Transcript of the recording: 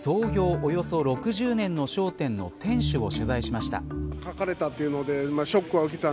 およそ６０年の商店の店主を取材しました。